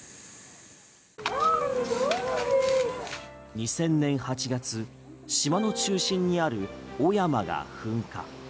２０００年８月島の中心にある雄山が噴火。